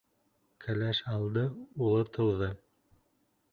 Кәләш алды, улы тыуҙы.